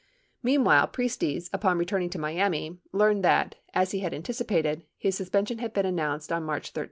98 Meanwhile, Priestes, upon returning to Miami, learned that, as he had anticipated, his suspension had been announced on March 13, 1972.